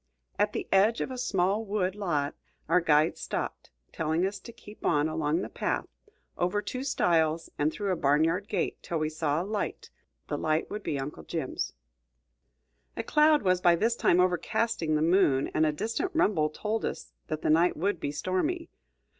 At the edge of a small wood lot our guides stopped, telling us to keep on along the path, over two stiles and through a barn yard gate, till we saw a light; the light would be Uncle Jim's. A cloud was by this time overcasting the moon, and a distant rumble told us that the night would be stormy.